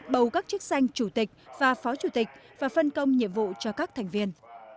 bầu các chiếc xanh chủ tịch và phó chủ tịch và phân công nhiệm vụ cho các thành viên